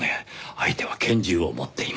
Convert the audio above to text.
相手は拳銃を持っています。